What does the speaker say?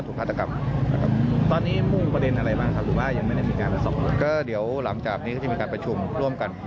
ก็เดี๋ยวหลังจากนี้ก็จะมีการประชุมร่วมกัน